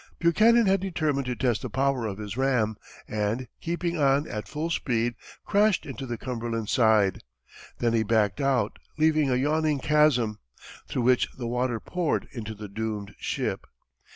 Buchanan had determined to test the power of his ram, and keeping on at full speed, crashed into the Cumberland's side. Then he backed out, leaving a yawning chasm, through which the water poured into the doomed ship.